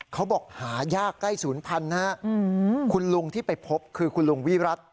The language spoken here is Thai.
เขาบอกหายากใกล้ศูนย์พันธุ์นะฮะคุณลุงที่ไปพบคือคุณลุงวิรัติ